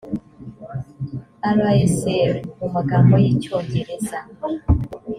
rsr mu magambo y icyongereza